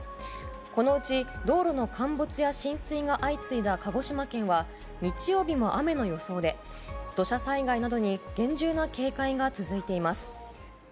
このうち道路の陥没や浸水が相次いだ鹿児島県は日曜日も雨の予想で土砂災害などに厳重な警戒が続いています。